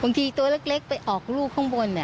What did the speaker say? ตัวเล็กไปออกลูกข้างบน